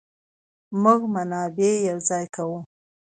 موږ منابع يو ځای کوو.